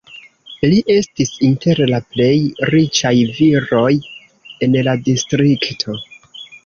Li estis inter la plej riĉaj viroj en la distrikto.